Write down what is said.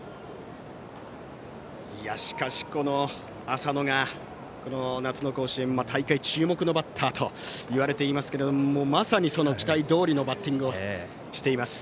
しかし浅野が、この夏の甲子園大会注目のバッターといわれていますけれどもまさにその期待どおりのバッティングをしています。